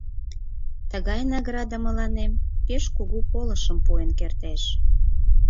— Тыгай награда мыланем пеш кугу полышым пуэн кертеш.